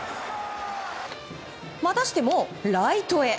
またしてもライトへ。